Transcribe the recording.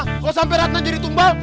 kalau sampai ratna jadi tumbal